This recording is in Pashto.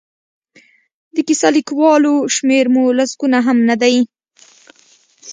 د کیسه لیکوالو شمېر مو لسګونه هم نه دی.